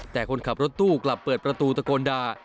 แต่คนขับรถตู้กลับเปิดประตูตะโกนด่า